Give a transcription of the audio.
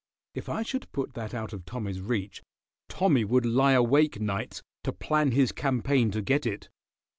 If I should put that out of Tommy's reach, Tommy would lie awake nights to plan his campaign to get it.